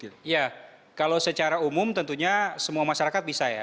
iya kalau secara umum tentunya semua masyarakat bisa ya